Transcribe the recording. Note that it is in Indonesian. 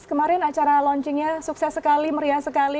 kemarin acara launching nya sukses sekali meriah sekali